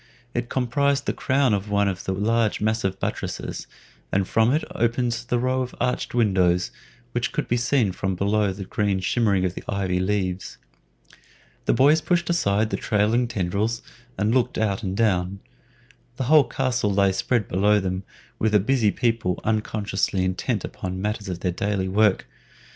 It comprised the crown of one of the large massive buttresses, and from it opened the row of arched windows which could be seen from below through the green shimmering of the ivy leaves. The boys pushed aside the trailing tendrils and looked out and down. The whole castle lay spread below them, with the busy people unconsciously intent upon the matters of their daily work.